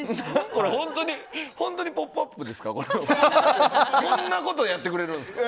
これ本当に「ポップＵＰ！」ですか？